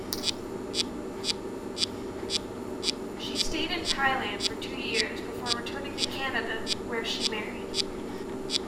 She stayed in Thailand for two years before returning to Canada, where she married.